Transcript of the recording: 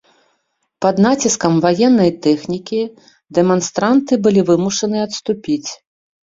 Пад націскам ваеннай тэхнікі, дэманстранты былі вымушаны адступіць.